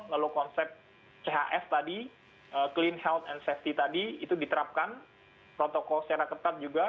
lalu konsep chs tadi clean health and safety tadi itu diterapkan protokol secara ketat juga